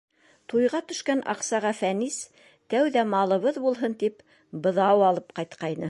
Туйға төшкән аҡсаға Фәнис, тәүҙә малыбыҙ булһын тип, быҙау алып ҡайтҡайны.